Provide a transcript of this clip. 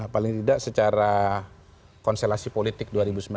paling tidak secara konstelasi politik dua ribu sembilan belas